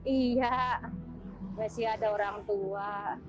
iya masih ada orang tua